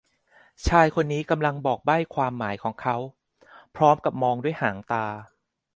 ชายคนนี้กำลังบอกใบ้ความหมายของเขาพร้อมกับมองด้วยหางตา